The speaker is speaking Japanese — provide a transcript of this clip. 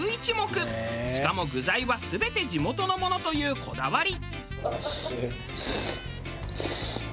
しかも具材は全て地元のものというこだわり。